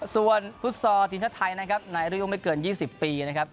ส่วนพุทธศาสตร์ดินชาติไทยนะครับในรายละยุ่งไม่เกิน๒๐ปีนะครับ